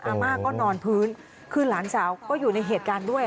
อาม่าก็นอนพื้นคือหลานสาวก็อยู่ในเหตุการณ์ด้วย